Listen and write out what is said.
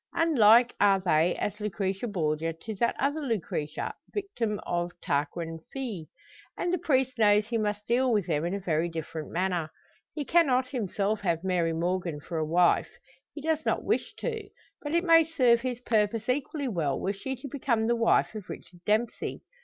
Unlike are they as Lucrezia Borgia to that other Lucretia victim of Tarquin fils. And the priest knows he must deal with them in a very different manner. He cannot himself have Mary Morgan for a wife he does not wish to but it may serve his purpose equally well were she to become the wife of Richard Dempsey.